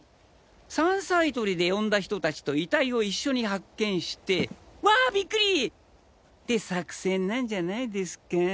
山菜採りで呼んだ人達と遺体を一緒に発見して「わぁビックリ！」って作戦なんじゃないですか？